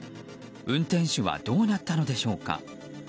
運転手はどうなったのでしょうか。